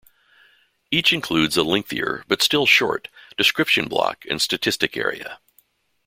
Each includes a lengthier, but still short, description block and statistic area.